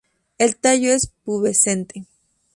El tallo es pubescente.